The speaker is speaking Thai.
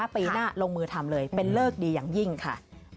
ปีหน้าลงมือทำเลยเป็นเลิกดีอย่างยิ่งค่ะ